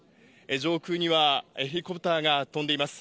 上空には、ヘリコプターが飛んでいます。